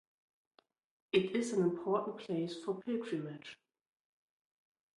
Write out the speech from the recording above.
It is an important place for pilgrimage.